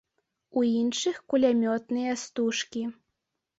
У іншых кулямётныя стужкі.